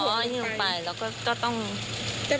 ไม่มีนิติบุคคลแล้ว